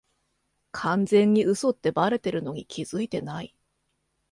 完全に嘘ってバレてるのに気づいてない